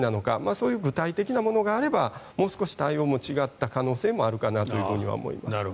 そういう具体的なものがあればもう少し対応も違った可能性もあるかなと思います。